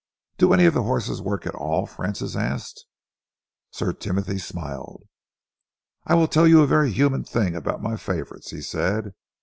"Do any of the horses work at all?" Francis asked. Sir Timothy smiled. "I will tell you a very human thing about my favourites," he said.